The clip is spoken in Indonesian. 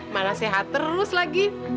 mana sehat terus lagi